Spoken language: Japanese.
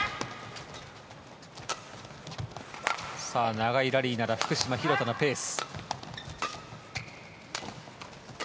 長いラリーなら福島、廣田のペース。